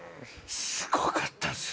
すごかったんすよ